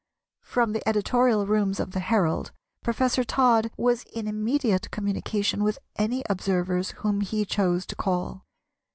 From the editorial rooms of the Herald Professor Todd was in immediate communication with any observers whom he chose to call.